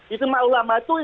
itu mak ulama itu